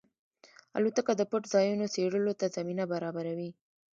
الوتکه د پټ ځایونو څېړلو ته زمینه برابروي.